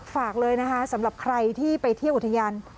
ฝากเลยนะคะสำหรับใครที่ไปเที่ยวอุทยาน